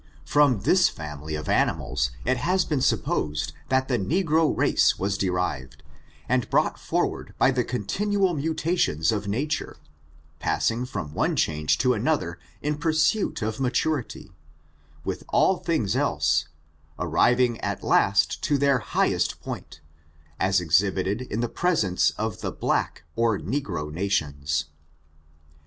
From this family of animals, it has been supposed that the negro race was dtrivcd, and brought for ward by the continual mutations of nature, passing from one change to another in pursuit of maturity, with all things else, arriving at last to their highest point, as exhibited in the presence of the black or negro nations.